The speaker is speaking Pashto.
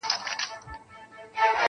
o نقادان يې تحليل کوي تل,